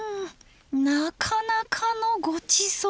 なかなかのごちそう。